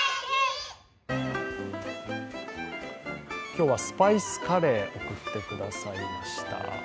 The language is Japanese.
今日はスパイスカレー送ってくださいました。